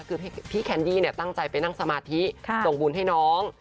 คือพี่แคนดี้ตั้งใจไปนั่งสมาธิส่งบุญให้น้อง